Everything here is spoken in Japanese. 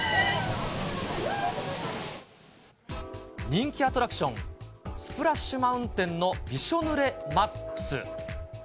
人気アトラクション、スプラッシュ・マウンテンのびしょ濡れＭＡＸ。